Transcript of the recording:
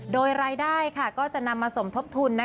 โดยรายได้ก็จะนำมาสมทบทุน